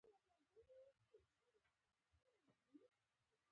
ایا مصنوعي ځیرکتیا د کلتوري حافظې بدلون نه چټکوي؟